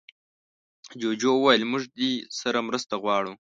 جوجو وویل موږ دې سره مرسته غواړو.